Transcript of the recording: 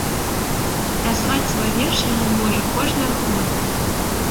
Даслаць свой верш яму можа кожны ахвотны.